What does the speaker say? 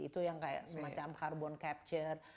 itu yang kayak semacam carbon capture